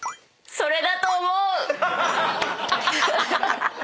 それだと思う！